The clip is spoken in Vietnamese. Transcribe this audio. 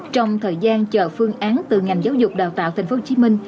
trong thời gian chờ phương án từ ngành giáo dục đào tạo tp hcm